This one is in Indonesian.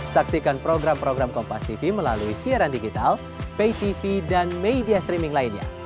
saksikan program program kompastv melalui siaran digital paytv dan media streaming lainnya